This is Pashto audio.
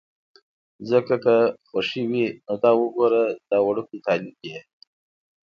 ځکه که خوشې وي، دا وګوره دا وړوکی طالب یې.